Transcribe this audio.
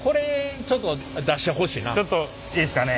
ちょっといいですかね？